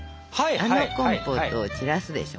あのコンポートを散らすでしょ。